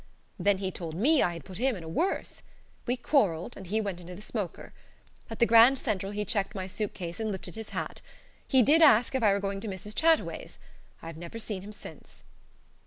Then he told me I had put him in a worse. We quarrelled, and he went into the smoker. At the Grand Central he checked my suitcase and lifted his hat. He did ask if I were going to Mrs. Chataway's. I have never seen him since."